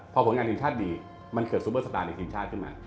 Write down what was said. พอผลงานทีมชาติดีมันเกิดซูเปอร์สตาร์ในทีมชาติขึ้นมา